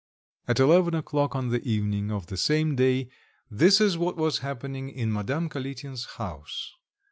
At eleven o'clock on the evening of the same day, this is what was happening in Madame Kalitin's house.